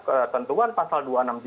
ketentuan pasal dua ratus enam puluh tiga